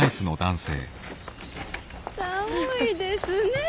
寒いですねえ。